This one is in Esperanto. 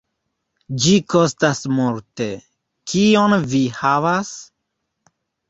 Ĝi kostas multe. Kion vi havas?"